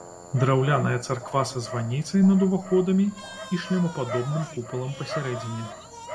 Драўляная царква са званіцай над уваходамі і шлемападобным купалам пасярэдзіне.